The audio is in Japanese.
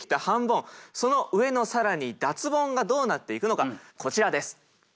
その上の更に脱ボンがどうなっていくのかこちらです。